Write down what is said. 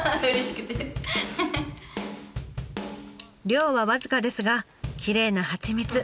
量は僅かですがきれいな蜂蜜。